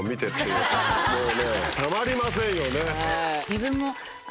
もうねたまりませんよね。